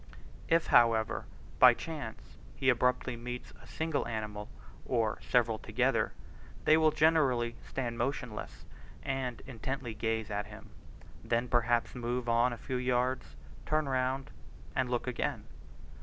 If, however, by chance he abruptly meets a single animal, or several together, they will generally stand motionless and intently gaze at him; then perhaps move on a few yards, turn round, and look again.